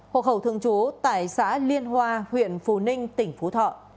hộ khẩu thương chú tại xã liên hoa huyện phù ninh tỉnh phú thọ